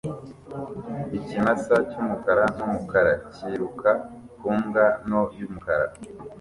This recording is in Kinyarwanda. Ikimasa cy'umukara n'umukara kiruka ku mbwa nto y'umukara